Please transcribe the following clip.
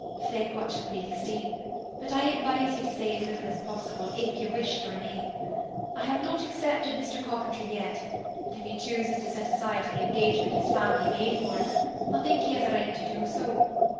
"Think what you please, Dean, but I advise you to say as little as possible if you wish to remain. I have not accepted Mr. Coventry yet, and if he chooses to set aside the engagement his family made for him, I think he has a right to do so.